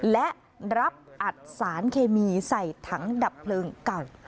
และรับอัดสารเคมีใส่ถังดับเพลิงเก่า